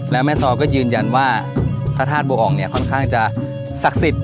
แล้วแม่ซอก็ยืนยันว่าพระธาตุบัวเนี่ยค่อนข้างจะศักดิ์สิทธิ